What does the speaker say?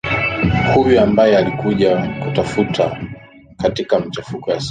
Huyo ambaye alikuja kufa katika machafuko ya Soweto